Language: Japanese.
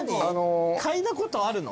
嗅いだことあるの？